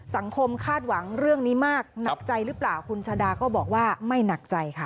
คาดหวังเรื่องนี้มากหนักใจหรือเปล่าคุณชาดาก็บอกว่าไม่หนักใจค่ะ